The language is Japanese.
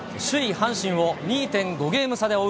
阪神を、２．５ゲーム差で追う